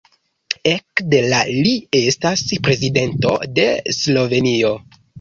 Ekde la li estas Prezidento de Slovenio.